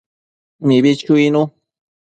Mibi chuinu